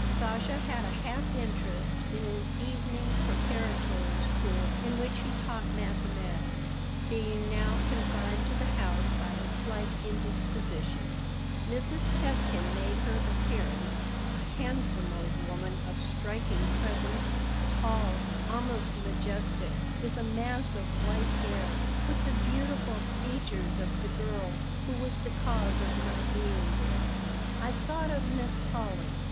Sasha had a half interest in an evening preparatory school in which he taught mathematics, being now confined to the house by a slight indisposition Mrs. Tevkin made her appearance a handsome old woman of striking presence, tall, almost majestic, with a mass of white hair, with the beautiful features of the girl who was the cause of my being there. I thought of Naphtali.